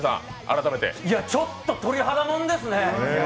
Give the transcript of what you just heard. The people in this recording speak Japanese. ちょっと鳥肌もんですね。